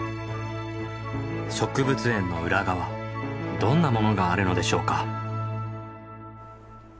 植物園の裏側どんなものがあるのでしょうか？